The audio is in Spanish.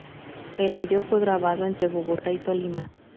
El vídeo fue grabado entre Bogotá y Tolima.